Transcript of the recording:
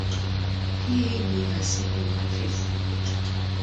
Hii ni asidi hafifu.